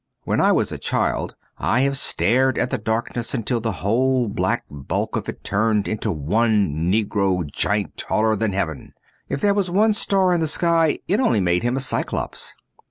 When I was a child I have stared at the darkness until the whole black bulk of it turned into one negro giant taller than heaven. If there was one star in the sky it only made him a Cyclops.